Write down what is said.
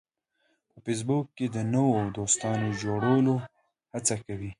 په فېسبوک کې خلک د نوو دوستانو جوړولو هڅه کوي